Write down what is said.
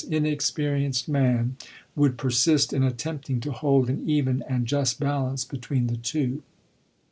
inexperienced man would persist in attempting to hold an even and just balance between the two.